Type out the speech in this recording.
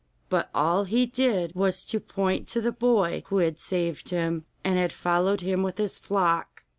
But all he did was to point to the boy who had saved him, and had followed him with his flock.